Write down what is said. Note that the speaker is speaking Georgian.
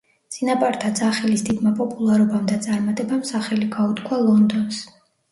წინაპართა ძახილის დიდმა პოპულარობამ და წარმატებამ სახელი გაუთქვა ლონდონს.